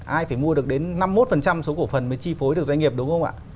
ai phải mua được đến năm mươi một số cổ phần mới chi phối được doanh nghiệp đúng không ạ